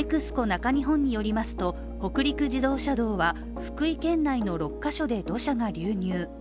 ＮＥＸＣＯ中日本によりますと北陸自動車道は福井県内の６カ所で土砂が流入。